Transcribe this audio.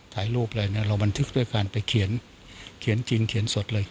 ถ่ายรูปอะไรเนี่ยเราบันทึกด้วยการไปเขียนเขียนจริงเขียนสดเลย